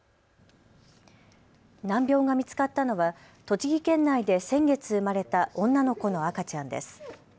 難病が見つかったのは栃木県内で先月、生まれた女の子の赤ちゃんです。